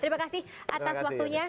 terima kasih atas waktunya